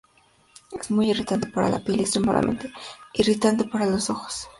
Es muy irritante para la piel, y extremadamente irritante para los ojos.